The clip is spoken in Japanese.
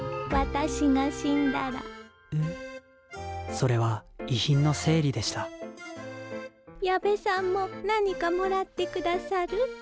それは遺品の整理でした矢部さんも何かもらって下さる？